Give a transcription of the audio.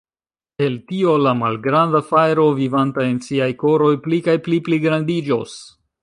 El tio, la malgranda fajro vivanta en siaj koroj pli kaj pli pligrandiĝos.